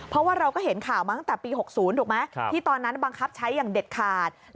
เพราะว่าเราก็เห็นข่าวมาตั้งแต่ปี๖๐ถูกไหมที่ตอนนั้นบังคับใช้อย่างเด็ดขาด